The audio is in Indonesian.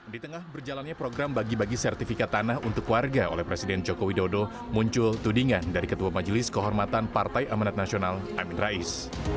di tengah berjalannya program bagi bagi sertifikat tanah untuk warga oleh presiden joko widodo muncul tudingan dari ketua majelis kehormatan partai amanat nasional amin rais